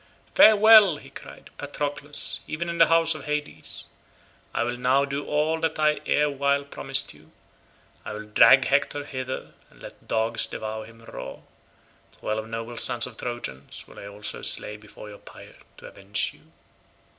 "Fare well," he cried, "Patroclus, even in the house of Hades. I will now do all that I erewhile promised you; I will drag Hector hither and let dogs devour him raw; twelve noble sons of Trojans will I also slay before your pyre to avenge you."